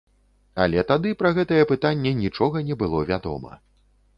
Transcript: Але тады пра гэтае пытанне нічога не было вядома.